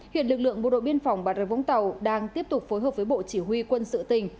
hiện lực lượng bộ đội biên phòng bà rê vũng tàu đang tiếp tục phối hợp với bộ chỉ huy quân sự tỉnh